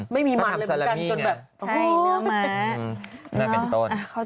ไม่มีมันเลยเหมือนกัน